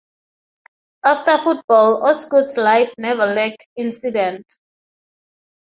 After football Osgood's life never lacked incident.